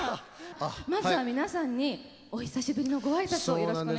まずは皆さんにお久しぶりのご挨拶をよろしくお願いいたします。